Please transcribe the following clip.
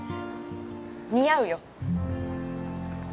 似合うよ。